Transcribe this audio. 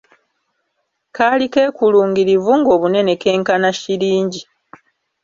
Kaali keekulungirivu ng'obunene kenkana Shilingi.